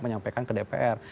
menyampaikan ke dpr